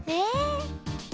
え？